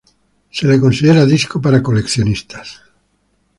Se le considera disco para coleccionistas.